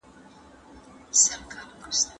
زه هره ورځ سړو ته خواړه ورکوم؟